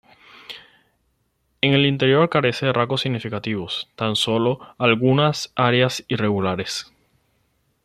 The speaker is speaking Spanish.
El interior carece de rasgos significativos, con tan solo algunas áreas irregulares.